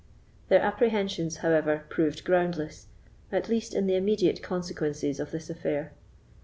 Their apprehensions, however, proved groundless, at least in the immediate consequences of this affair.